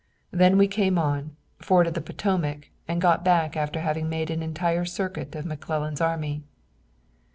Then we came on, forded the Potomac and got back after having made an entire circuit of McClellan's army."